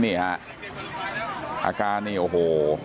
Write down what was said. นี่ฮะอาการนี่โอ้โห